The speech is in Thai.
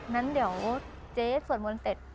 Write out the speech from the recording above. นั้นเดี๋ยวเจ๊สวดมวลเต็ด